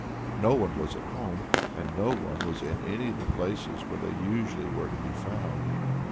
No one was at home, and no one was in any of the places where they usually were to be found.